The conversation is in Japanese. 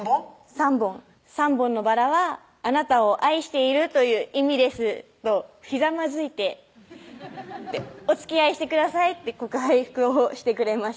３本「３本のバラはあなたを愛しているという意味です」とひざまずいて「おつきあいしてください」って告白をしてくれました